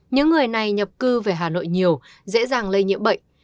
những người này nhập cư về hà nội nhiều dễ dàng lây nhiễm bệnh